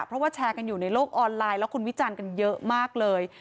เพราะว่าแชร์กันอยู่ในโลกออนไลน์แล้วคนวิจารณ์กันเยอะมากเลย